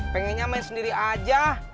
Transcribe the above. pengennya main sendiri aja